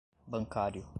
bancário